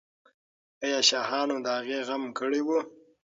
آیا شاهانو د هغې غم کړی و؟